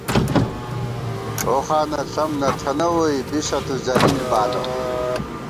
ٹوخانہ ݪم نہ تھنہ ووئی بِسہ تُو ذلیل بالہ